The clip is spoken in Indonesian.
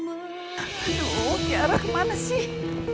aduh tiara kemana sih